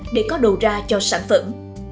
để có đồ ra cho sản phẩm